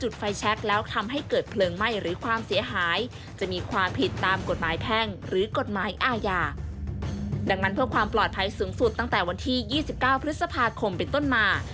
ดังนั้นเพื่อความปลอดภัยสูงสุดตั้งแต่วันที่๒๙พฤษภาคมเป็นต้นมา